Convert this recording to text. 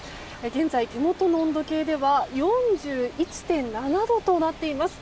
現在、手元の温度計では４１．７度となっています。